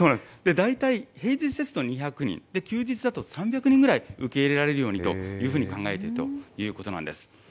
大体平日ですと２００人、休日だと３００人ぐらい受け入れられるようにというふうに考えているということなんです。